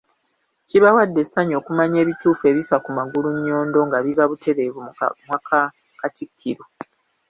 Kkibawadde essanyu okumanya ebituufu ebifa ku Magulunnyondo nga biva buteerevu mu kamwa ka Katikkiro